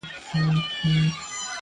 • خو اصلي درد هېڅوک نه درک کوي سم,